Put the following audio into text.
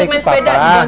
askara sama oma dulu